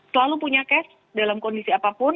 selalu punya cash dalam kondisi apapun